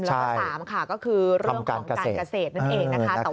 แล้วก็๓ค่ะก็คือเรื่องของการเกษตรนั่นเองนะคะ